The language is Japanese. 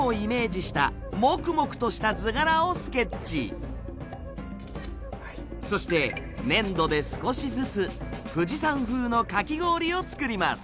そして粘土で少しずつ富士山風のかき氷を作ります。